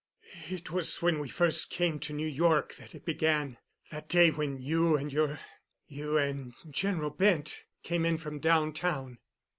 "It was when we first came to New York that it began—that day when you and your—you and General Bent came in from downtown.